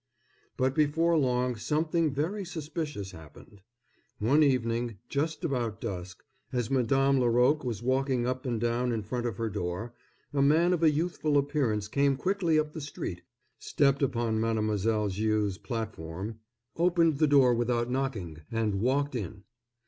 But before long something very suspicious happened. One evening, just about dusk, as Madame Laroque was walking up and down in front of her door, a man of a youthful appearance came quickly up the street, stepped upon Mademoiselle Viau's platform, opened the door without knocking, and walked in.